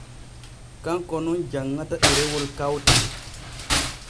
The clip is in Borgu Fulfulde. Kanko nun janŋata ɗerewol kawtal.